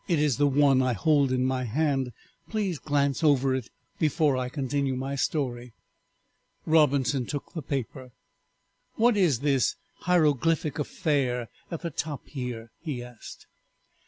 It is the one I hold in my hand; please glance over it before I continue my story." Robinson took the paper. "What is this hieroglyphic affair at the top here?" he asked.